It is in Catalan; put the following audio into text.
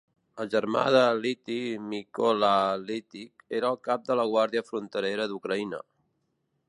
El germà de Lytvyn, Mykola Lytvyn, era el cap de la guàrdia fronterera d'Ucraïna.